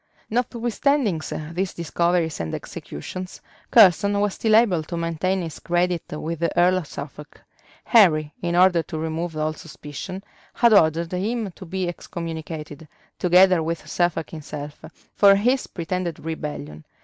Notwithstanding these discoveries and executions, Curson was still able to maintain his credit with the earl of Suffolk: Henry, in order to remove all suspicion, had ordered him to be excommunicated, together with Suffolk himself, for his pretended rebellion.